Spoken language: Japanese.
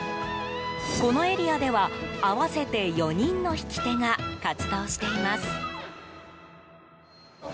このエリアでは合わせて４人の引き手が活動しています。